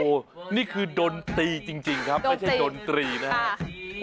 โอ้โหนี่คือดนตรีจริงครับไม่ใช่ดนตรีนะครับ